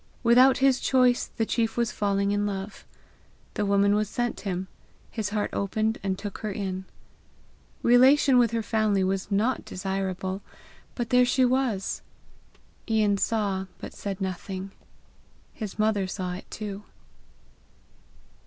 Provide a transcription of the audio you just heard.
Without his choice the chief was falling in love. The woman was sent him; his heart opened and took her in. Relation with her family was not desirable, but there she was! Ian saw, but said nothing. His mother saw it too.